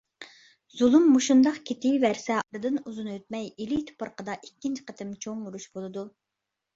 زۇلۇم مۇشۇنداق كېتىۋەرسە ئارىدىن ئۇزۇن ئۆتمەي، ئىلى تۇپرىقىدا ئىككىنچى قېتىم چوڭ ئۇرۇش بولىدۇ.